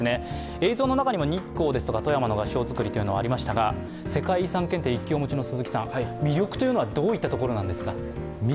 映像の中にも日光ですとか富山の合掌造りがありましたが、世界遺産検定１級をお持ちの鈴木さん、魅力はどういったところなんでしょうか？